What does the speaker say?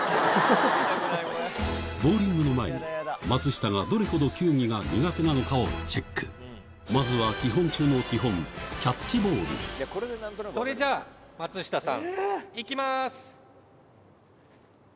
ボウリングの前に松下がどれほど球技が苦手なのかをチェックまずは基本中の基本それじゃあ松下さんいきます。